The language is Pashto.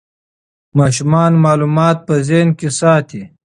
ماشومان معلومات په ذهن کې ساتي.